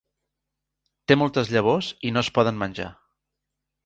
Té moltes llavors i no es poden menjar.